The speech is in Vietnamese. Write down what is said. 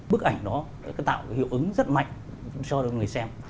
bức ảnh đó tạo hiệu ứng rất mạnh cho được người xem